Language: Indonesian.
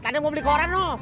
tadi mau beli koran loh